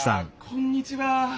こんにちは。